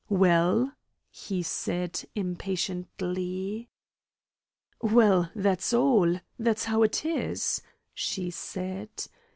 "Well?" he said, impatiently. "Well, that's all; that's how it is," she said.